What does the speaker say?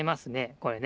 これね。